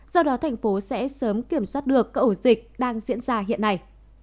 do đó thành phố sẽ sớm kiểm soát được các ổ dịch đang diễn ra hiện nay